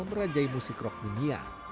merajai musik rock dunia